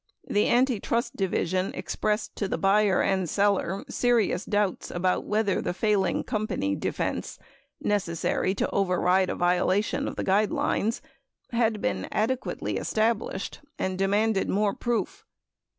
The Anti trust Division expressed to the buyer and seller serious doubts about whether the "failing company" defense, necessary to override a viola tion of the guidelines, had been adequately established and demanded more proof.